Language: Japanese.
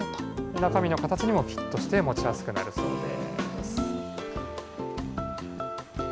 中身の形にもフィットして、持ちやすくなるそうです。